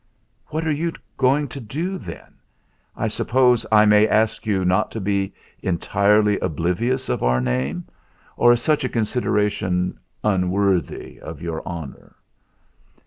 "What are you going to do, then? I suppose I may ask you not to be entirely oblivious of our name; or is such a consideration unworthy of your honour?"